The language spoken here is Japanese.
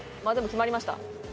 決まりました？